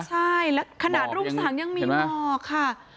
ใช่แล้วขนาดรุ่งสางยังมีหมอกค่ะ